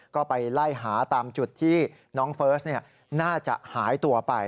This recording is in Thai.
ก็ไปไล่หาตามจุดที่น้องเฟิร์สน่าจะหายตัวไป